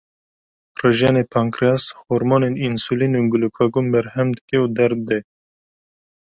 Rijenê pankreas, hormonên însulîn û glukagon berhem dike û der dide.